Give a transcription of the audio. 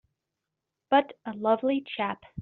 But a lovely chap!